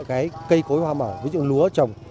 cái cây cối hoa mỏ ví dụ lúa trồng